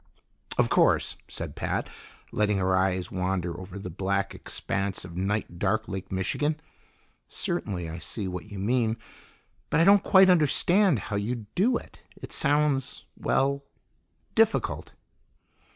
"Of course," said Pat, letting her eyes wander over the black expanse of night dark Lake Michigan. "Certainly I see what you mean but I don't quite understand how you'd do it. It sounds well, difficult."